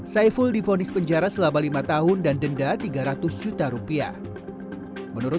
saiful difonis penjara selama lima tahun dan dedekat kembali ke penjara